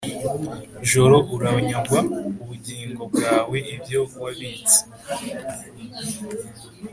Joro uranyagwa ubugingo bwawe ibyo wabitse